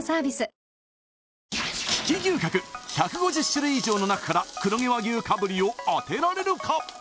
１５０種類以上の中から黒毛和牛かぶりを当てられるか？